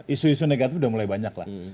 isu isu negatif udah mulai banyak lah